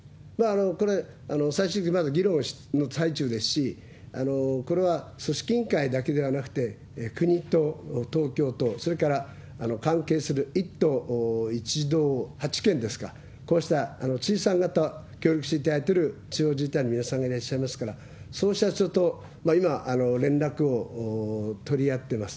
これ、最終的にまだ議論の最中ですし、これは組織委員会だけではなくて、国と東京と、それから関係する１都１道８県ですか、こうした知事さん方、協力していただいてる地方自治体の皆さんがいらっしゃいますから、そうした人と、今、連絡を取り合ってます。